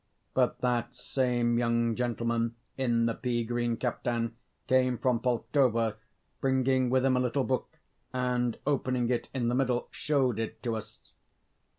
But that same young gentleman, in the pea green caftan, came from Poltava, bringing with him a little book, and, opening it in the middle, showed it to us.